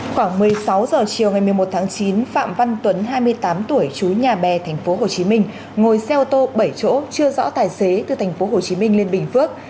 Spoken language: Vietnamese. khoảng một mươi sáu h chiều ngày một mươi một tháng chín phạm văn tuấn hai mươi tám tuổi chú nhà bè thành phố hồ chí minh ngồi xe ô tô bảy chỗ chưa rõ tài xế từ thành phố hồ chí minh lên bình phước